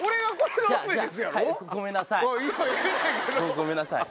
ごめんなさい。